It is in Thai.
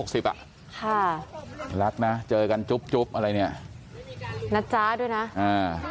ค่ะรักนะเจอกันจุ๊บจุ๊บอะไรเนี้ยนะจ๊ะด้วยนะอ่า